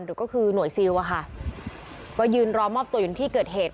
หรือก็คือหน่วยซิลอะค่ะก็ยืนรอมอบตัวอยู่ที่เกิดเหตุ